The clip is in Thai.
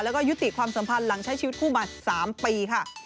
แล้วก็ยุติความสัมพันธ์หลังใช้ชีวิตคู่มา๓ปีค่ะ